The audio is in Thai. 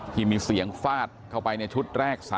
ที่มีเสียงฟาดเข้าไปในชุดแรก๓